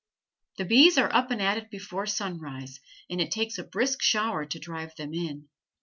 The bees are up and at it before sunrise, and it takes a brisk shower to drive them in.